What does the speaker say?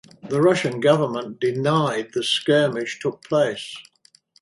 The Russian government denied the skirmish took place.